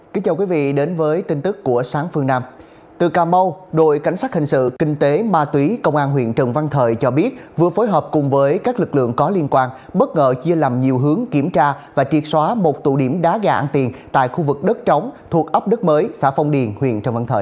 kính chào quý vị đến với tin tức của sáng phương nam từ cà mau đội cảnh sát hình sự kinh tế ma túy công an huyện trần văn thời cho biết vừa phối hợp cùng với các lực lượng có liên quan bất ngờ chia làm nhiều hướng kiểm tra và triệt xóa một tụ điểm đá gà ăn tiền tại khu vực đất trống thuộc ấp đức mới xã phong điền huyện trần văn thời